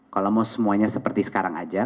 kalau mau semuanya seperti sekarang aja